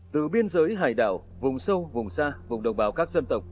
từ biên giới hải đảo vùng sâu vùng xa vùng đồng bào các dân tộc